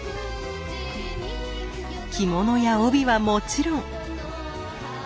着物や帯はもちろん。